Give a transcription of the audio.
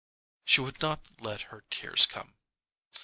She would not let her tears come.